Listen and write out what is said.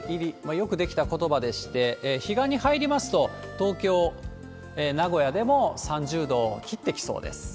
よくできたことばでして、彼岸に入りますと、東京、名古屋でも３０度を切ってきそうです。